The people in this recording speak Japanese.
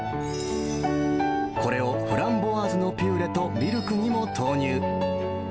これをフランボワーズのピューレと、ミルクにも投入。